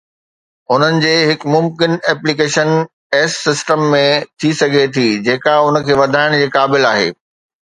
انهي جي هڪ ممڪن ايپليڪيشن ايس سسٽم ۾ ٿي سگهي ٿي جيڪا ان کي وڌائڻ جي قابل آهي